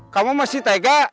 kamu masih tega